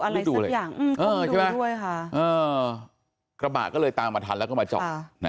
ดูทุกอย่างใช่ไหมกระบะก็เลยตามมาทันแล้วก็มาจอด